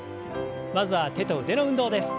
まずは手と腕の運動です。